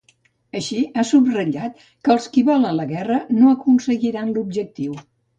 Així, ha subratllat que els qui volen la guerra no aconseguiran l’objectiu.